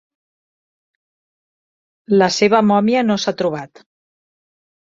La seva mòmia no s'ha trobat.